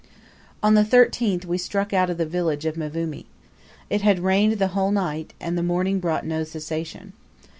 On the 13th we struck out of the village of Mvumi. It had rained the whole night, and the morning brought no cessation.